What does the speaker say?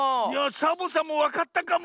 サボさんもわかったかも！